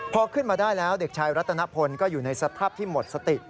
พอขึ้นมาได้แล้วเด็กชายรัตนพลก็อยู่ในสภาพที่หมดสติ